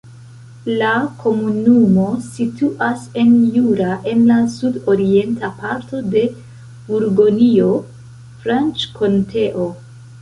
La komunumo situas en Jura, en la sudorienta parto de Burgonjo-Franĉkonteo.